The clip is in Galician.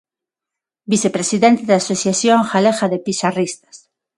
Vicepresidente da Asociación Galega de Pizarristas.